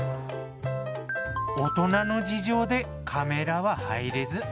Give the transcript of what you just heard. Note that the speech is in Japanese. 大人の事情でカメラは入れず。